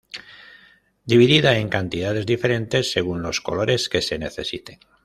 Dividida en cantidades diferentes, según los colores que se necesiten.